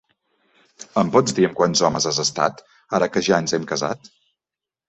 Em pots dir amb quants homes has estat, ara que ja ens hem casat?